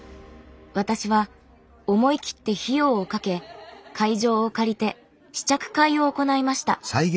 私は思い切って費用をかけ会場を借りて試着会を行いました。